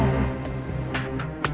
saudara saudara haret tenang